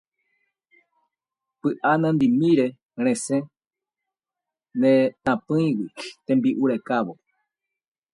Py'a nandimíre resẽ ne tapỹigui tembi'u rekávo.